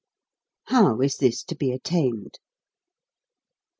How is this to be attained